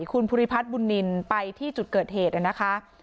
คุณภูริพัฒน์บุญนินไปที่จุดเกิดเหตุนะคะ